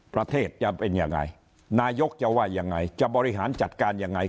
จะเป็นยังไงนายกจะว่ายังไงจะบริหารจัดการยังไง